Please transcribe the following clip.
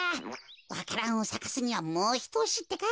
わか蘭をさかすにはもうひとおしってか。